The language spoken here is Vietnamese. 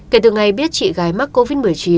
kể từ ngày biết chị gái mắc covid một mươi chín